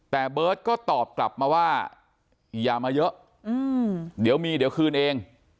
แต่เบิร์ตก็ตอบกลับมาว่าอย่ามาเยอะเดี๋ยวมีเดี๋ยวคืนเอง